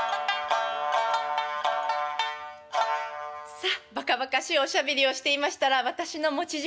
さあばかばかしいおしゃべりをしていましたら私の持ち時間